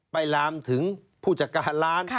ไปลามถึงผู้จักรร้าน